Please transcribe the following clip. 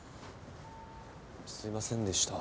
すいませんでした。